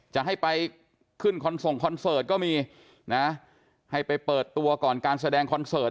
จะให้ไปขึ้นคอนส่งคอนเสิร์ตก็มีนะให้ไปเปิดตัวก่อนการแสดงคอนเสิร์ต